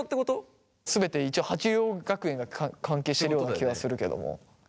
全て一応鉢涼学園が関係しているような気はするけども。